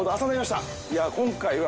いや今回は。